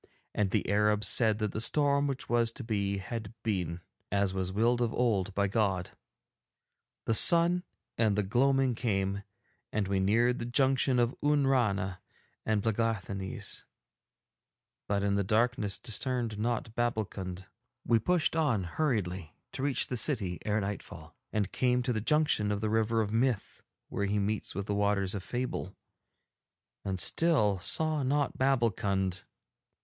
And the Arabs said that the storm which was to be had been, as was willed of old by God. The sun set and the gloaming came, and we neared the junction of Oonrana and Plegáthanees, but in the darkness discerned not Babbulkund. We pushed on hurriedly to reach the city ere nightfall, and came to the junction of the River of Myth where he meets with the Waters of Fable, and still saw not Babbulkund.